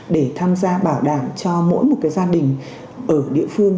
để tham gia bảo đảm cho mỗi một gia đình ở địa phương